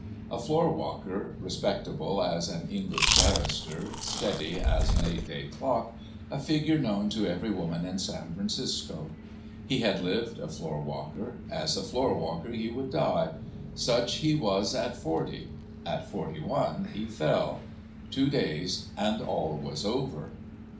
A floor walker, respectable as an English barrister, steady as an eight day clock, a figure known to every woman in San Francisco. He had lived a floor walker; as a floor walker he would die. Such he was at forty. At forty one he fell. Two days and all was over.